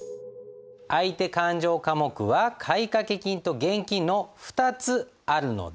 相手勘定科目は買掛金と現金の２つあるので。